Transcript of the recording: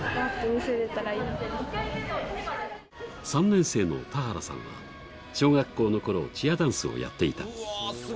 ３年生の田原さんは小学校のころチアダンスをやっていた。